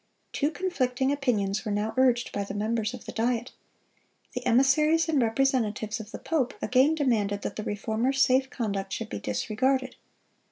Two conflicting opinions were now urged by the members of the Diet. The emissaries and representatives of the pope again demanded that the Reformer's safe conduct should be disregarded.